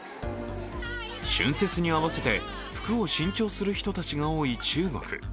春節に合わせて服を新調する人たちが多い中国。